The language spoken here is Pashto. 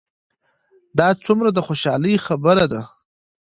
دا څومره د خوشحالۍ خبر ده؟